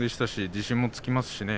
自信もつきますしね。